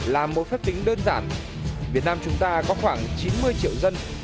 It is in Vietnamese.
là một phép tính đơn giản việt nam chúng ta có khoảng chín mươi triệu dân